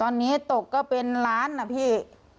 ตอนนี้ตกก็เป็นล้านนะพี่